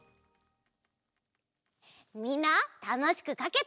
みんなたのしくかけた？